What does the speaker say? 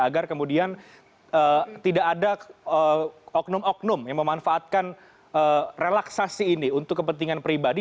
agar kemudian tidak ada oknum oknum yang memanfaatkan relaksasi ini untuk kepentingan pribadi